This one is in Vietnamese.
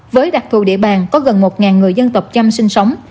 với đặc thù địa bàn có gần một người dân tộc chăm sinh sống